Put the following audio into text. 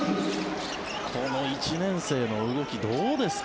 この１年生の動きどうですか。